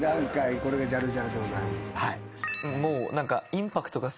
これがジャルジャルでございます。